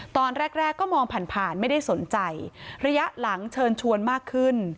ตอนแรกแรกก็มองผ่านผ่านไม่ได้สนใจระยะหลังเชิญชวนมากขึ้น